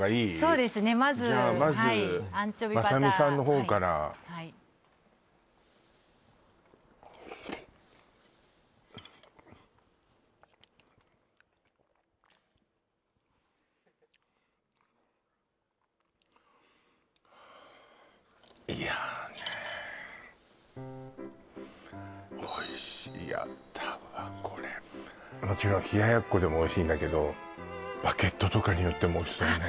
そうですねじゃまずまずはいアンチョビバターまさみさんの方からいやねえおいしいヤダわこれもちろん冷奴でもおいしいんだけどバゲットとかに塗ってもおいしそうね